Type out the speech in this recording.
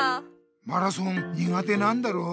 マラソン苦手なんだろ？